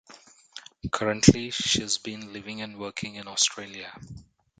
Currently, she's been living and working in Australia.